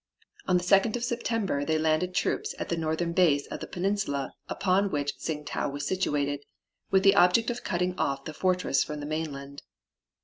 On the 2d of September they landed troops at the northern base of the peninsula upon which Tsing tau was situated, with the object of cutting off the fortress from the mainland.